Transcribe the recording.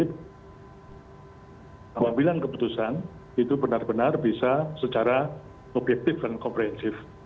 pengambilan keputusan itu benar benar bisa secara objektif dan komprehensif